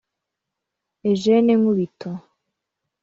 Eugène Nkubito